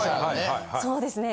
そうですね。